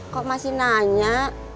kok masih nanya